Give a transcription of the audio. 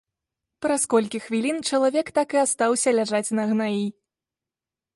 Праз колькі хвілін чалавек так і астаўся ляжаць на гнаі.